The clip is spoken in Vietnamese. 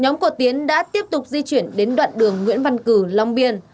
nhóm thanh niên đã tiếp tục di chuyển đến đoạn đường nguyễn văn cử long biên